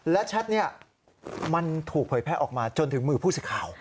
และแชทนี้มันถูกเผยแพร่ออกมาจนถึงมือผู้สิทธิ์ข่าว